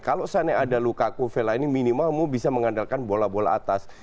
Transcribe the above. kalau seandainya ada lukaku vela ini minimalmu bisa mengandalkan bola bola atas